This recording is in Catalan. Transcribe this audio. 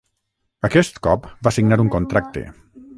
Aquest cop va signar un contracte.